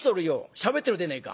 しゃべってるでねえか」。